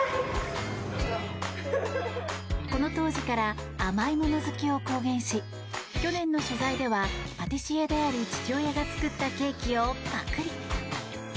この当時から甘いもの好きを公言し去年の取材ではパティシエである父親が作ったケーキをパクリ。